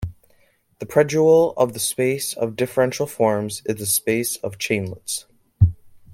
The predual of the space of differential forms is the space of chainlets.